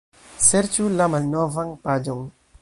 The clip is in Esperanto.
Serĉu la malnovan paĝon.